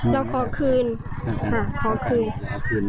เราก็จะขอคืน